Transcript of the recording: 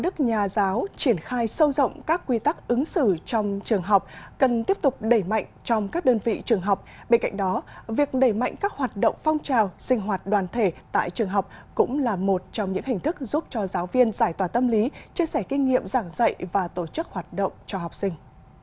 các nhà giáo triển khai sâu rộng các quy tắc ứng xử trong trường học cần tiếp tục đẩy mạnh trong các đơn vị trường học bên cạnh đó việc đẩy mạnh các hoạt động phong trào sinh hoạt đoàn thể tại trường học cũng là một trong những hình thức giúp cho giáo viên giải tỏa tâm lý chia sẻ kinh nghiệm giảng dạy và tổ chức hoạt động cho học sinh